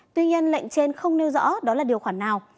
tuy nhiên lệnh trên không nêu rõ đó là điều khoản nào